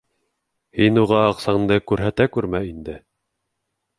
Һин уға аҡсаңды күрһәтә күрмә инде.